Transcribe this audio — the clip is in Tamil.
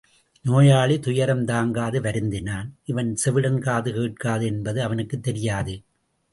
நோயாளி—துயரம் தாங்காது வருந்தினான்—இவன் செவிடன், காது கேட்காது என்பது அவனுக்குத் தெரியாது.